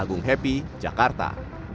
agung happy jakarta